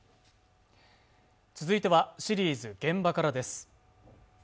続いては、シリーズ「現場から」です